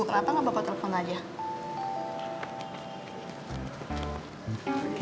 kenapa nggak bapak telepon aja